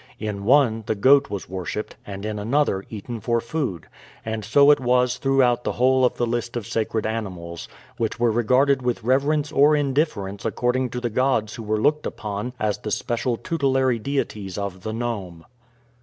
In one the goat was worshiped, and in another eaten for food; and so it was throughout the whole of the list of sacred animals, which were regarded with reverence or indifference according to the gods who were looked upon as the special tutelary deities of the nome.